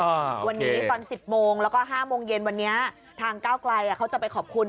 ก่อน๑๐โมงแล้วก็๕โมงเย็นวันนี้ทางเก้าไกลเขาจะไปขอบคุณ